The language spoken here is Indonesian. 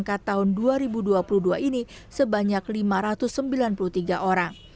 angka tahun dua ribu dua puluh dua ini sebanyak lima ratus sembilan puluh tiga orang